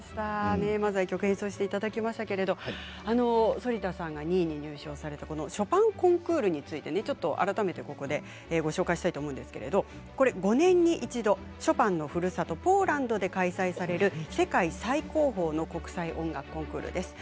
反田さんが２位に入賞されたこのショパンコンクールについて改めてここでご紹介したいと思うんですけれども５年に一度、ショパンのふるさとポーランドで開催される世界最高峰の国際音楽コンクールです。